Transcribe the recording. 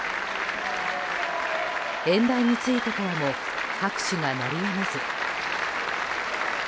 演台についてからも拍手が鳴りやまず。